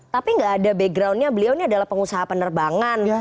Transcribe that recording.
tapi nggak ada backgroundnya beliau ini adalah pengusaha penerbangan